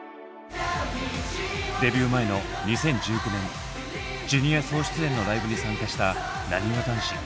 デビュー前の２０１９年ジュニア総出演のライブに参加したなにわ男子。